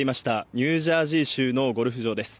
ニュージャージー州のゴルフ場です。